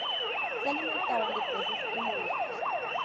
Se alimentaban de peces y moluscos.